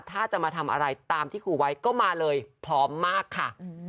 ถ้าจะมาทำอะไรตามที่ครูไว้ก็มาเลยพร้อมมากค่ะ